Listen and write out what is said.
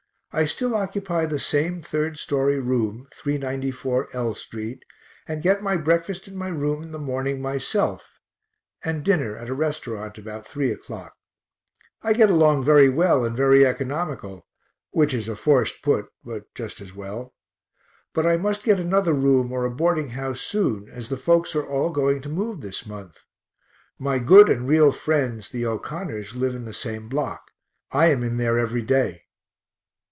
I still occupy the same 3rd story room, 394 L st., and get my breakfast in my room in the morning myself, and dinner at a restaurant about 3 o'clock I get along very well and very economical (which is a forced put, but just as well). But I must get another room or a boarding house soon, as the folks are all going to move this month. My good and real friends the O'Connors live in the same block; I am in there every day.